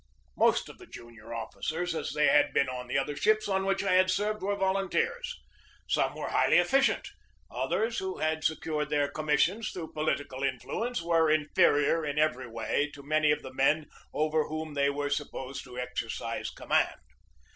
Most of the junior officers, as they had been on the other ships on which I had served, were volun teers. Some were highly efficient, others, who had secured their commissions through political influence, were inferior in every way to many of the men over whom they were supposed to exercise command.